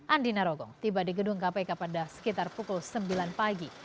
andi narogong tiba di gedung kpk pada sekitar pukul sembilan pagi